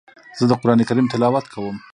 زه د قران کریم تلاوت کوم.